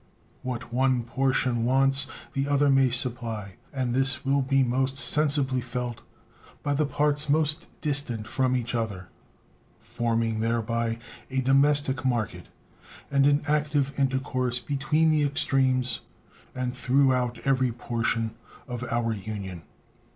What one portion wants the other may supply; and this will be most sensibly felt by the parts most distant from each other, forming thereby a domestic market and an active intercourse between the extremes and throughout every portion of our Union.